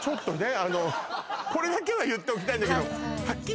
あのこれだけは言っておきたいんだけどはっきり